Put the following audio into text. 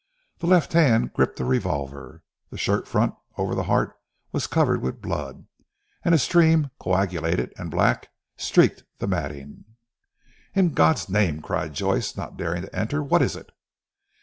The left hand gripped a revolver; the shirt front over the heart was covered with blood, and a stream, coagulated and black, streaked the matting. "In God's name?" cried Joyce not daring to enter, "what is it?"